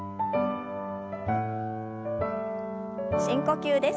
深呼吸です。